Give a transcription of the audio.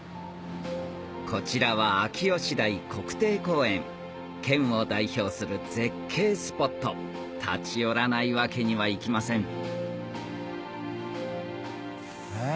こちらは秋吉台国定公園県を代表する絶景スポット立ち寄らないわけにはいきませんえ